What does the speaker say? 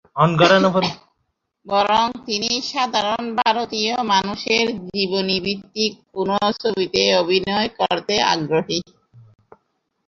বরং তিনি সাধারণ ভারতীয় মানুষের জীবনীভিত্তিক কোনো ছবিতে অভিনয় করতে আগ্রহী।